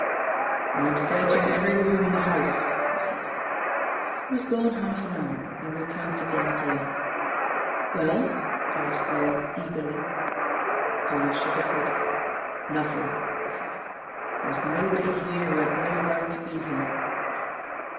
"I am searching every room in the house," he said, He was gone half an hour, and returned to Derrick Yale. "Well?" asked Yale eagerly. Parr shook his head. "Nothing," he said. "There is nobody here who has no right to be here."